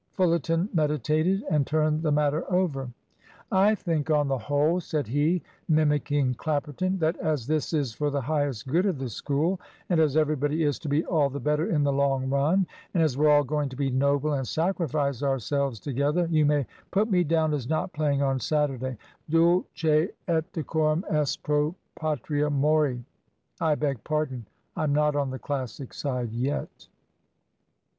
Fullerton meditated and turned the matter over. "I think on the whole," said he, mimicking Clapperton, "that as this is for the highest good of the School, and as everybody is to be all the better in the long run, and as we're all going to be noble and sacrifice ourselves together, you may put me down as not playing on Saturday. Dulce et decorum est pro patria I beg pardon, I'm not on the Classic side yet."